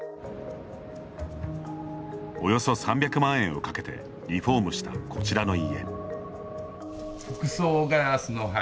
およそ３００万円をかけてリフォームした、こちらの家。